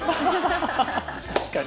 確かに。